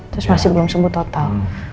terus masih belum sembuh total